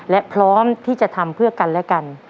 และพร้อมที่จะทำเพื่อกันและกัน